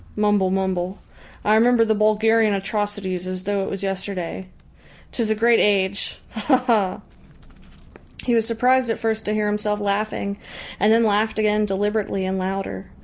Mumble, mumble. I remember the Bulgarian atrocities as though it was yesterday. 'Tis a great age! Ha ha!" He was surprised at first to hear himself laughing, and then laughed again deliberately and louder.